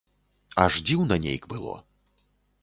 Аж дзіўна нейк было.